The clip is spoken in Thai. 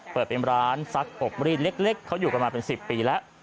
เปิดเป็นร้านซักอบรีดเล็กเขาอยู่กันมาเป็น๑๐ปีแล้ว